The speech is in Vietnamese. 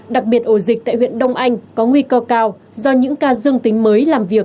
đặc biệt ổ dịch tại huyện đông anh có nguy cơ cao do những ca dương tính mới làm việc